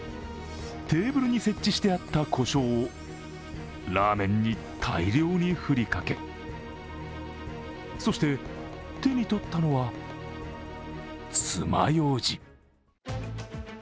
テーブルに設置してあったこしょうを、ラーメンに大量に振りかけそして手に取ったのは、爪ようじ。